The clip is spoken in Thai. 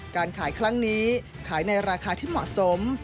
การขายครั้งนี้ขายในราคาที่เหมาะสม